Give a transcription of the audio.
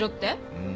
うん